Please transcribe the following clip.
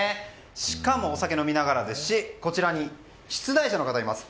しかも、お酒を飲みながらですしこちらに出題者の方もいます。